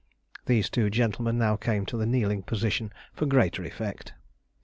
These two gentlemen now came to the kneeling position for greater effect.